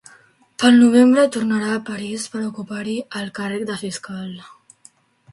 Pel novembre tornà a París per ocupar-hi el càrrec de fiscal.